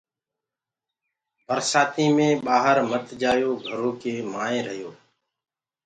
برسآتي مينٚ ڀآهر مت جآيو گھرو ڪي مآئينٚ رهيو۔